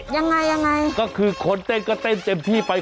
ยังไงยังไงก็คือคนเต้นก็เต้นเต็มที่ไป